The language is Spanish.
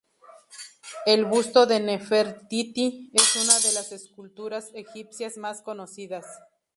El busto de Nefertiti es una de las esculturas egipcias más conocidas.